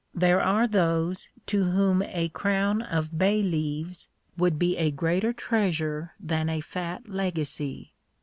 There are those to whom a crown of bay leaves would be a greater treasure than a fat legacy.